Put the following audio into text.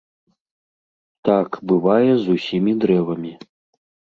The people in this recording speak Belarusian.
Так бывае з усімі дрэвамі.